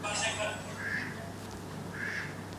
ورزش د انسان ذهن روښانه کوي.